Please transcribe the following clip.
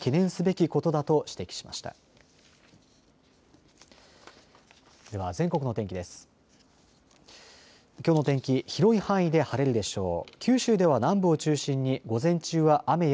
きょうの天気、広い範囲で晴れるでしょう。